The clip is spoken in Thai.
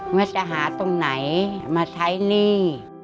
ว่าจะหาตรงไหนมาใช้หนี้